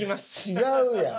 違うやん。